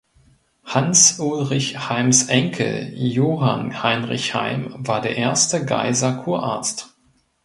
Hans Ulrich Heims Enkel Johann Heinrich Heim war der erste Gaiser Kurarzt.